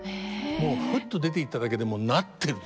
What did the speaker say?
もうふっと出ていっただけでもうなってる。